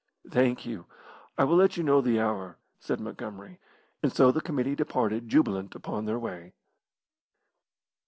"Thank you; I will let you know the hour," said Montgomery; and so the committee departed jubilant upon their way.